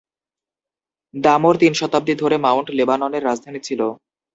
দামোর তিন শতাব্দী ধরে মাউন্ট লেবাননের রাজধানী ছিল।